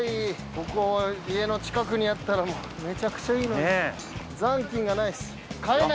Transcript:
ここが家の近くにあったらもうめちゃくちゃいいのに。ねぇ。